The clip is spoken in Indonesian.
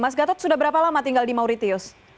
mas gatot sudah berapa lama tinggal di mauritius